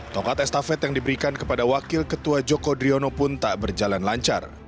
tokat estafet yang diberikan kepada wakil ketua joko driono pun tak berjalan lancar